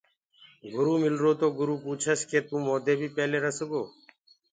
گُروٚ مِلرو تو گُرو پوٚڇس ڪيس ڪي تو موندي بي پيلي رس گو۔